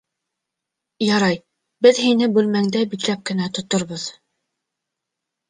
Ярай, беҙ һине бүлмәңдә бикләп кенә тоторбоҙ...